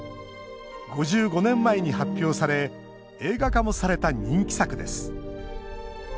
５５年前に発表され映画化もされた人気作です。